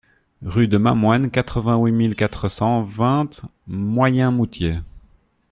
Rue de Mamoine, quatre-vingt-huit mille quatre cent vingt Moyenmoutier